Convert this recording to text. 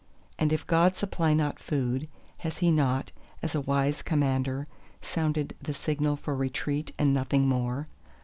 And if God supply not food, has He not, as a wise Commander, sounded the signal for retreat and nothing more?